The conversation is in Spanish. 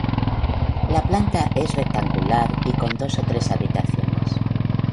La planta es rectangular y con dos o tres habitaciones.